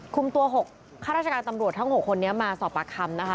คุมตัว๖ข้าราชการตำรวจทั้ง๖คนนี้มาสอบปากคำนะคะ